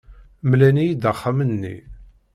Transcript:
Mlan-iyi-d axxam-nni.